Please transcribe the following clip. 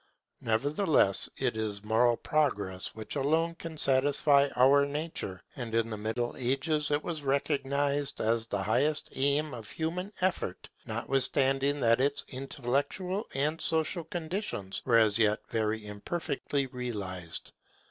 Nevertheless, it is moral progress which alone can satisfy our nature; and in the Middle Ages it was recognized as the highest aim of human effort, notwithstanding that its intellectual and social conditions were as yet very imperfectly realized.